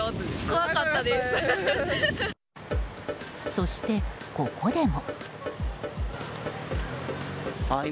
そして、ここでも。